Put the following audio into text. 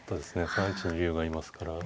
３一に竜がいますから。